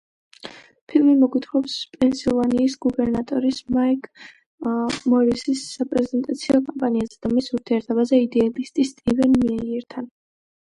ფილმი მოგვითხრობს პენსილვანიის გუბერნატორის, მაიკ მორისის საპრეზიდენტო კამპანიაზე და მის ურთიერთობაზე იდეალისტი სტივენ მეიერთან.